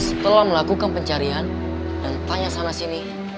setelah melakukan pencarian dan tanya sana sini